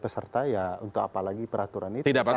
peserta ya untuk apa lagi peraturan itu